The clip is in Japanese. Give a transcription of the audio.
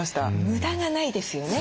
無駄がないですよね。